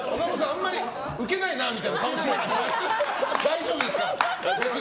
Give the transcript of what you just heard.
あんまりウケないなみたいな顔しなくて大丈夫ですから。